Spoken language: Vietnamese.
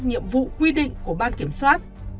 nhiệm vụ quy định của ban kiểm soát